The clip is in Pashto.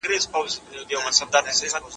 قلمي خط سوی اصلي سند په اسانۍ نه بدلیږي.